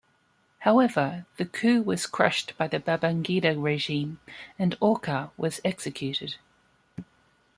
However, the coup was crushed by the Babangida regime and Orkar was executed.